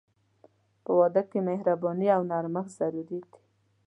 په واده کې مهرباني او نرمښت ضروري دي.